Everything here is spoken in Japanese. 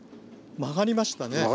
曲がりました。